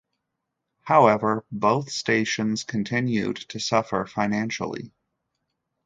However, both stations continued to suffer financially.